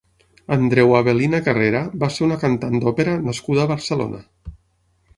Andreua Avel·lina Carrera va ser una cantant d'òpera nascuda a Barcelona.